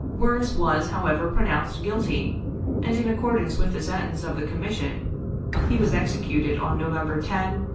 Wirz was, however, pronounced guilty, and, in accordance with the sentence of the commission, he was executed on November 10, 1865.